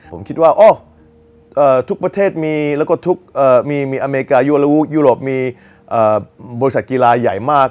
ผมคิดว่าอ้อทุกประเทศมีและทุกอเมกายุโรปมีบริษัทกีฬาใหญ่มาก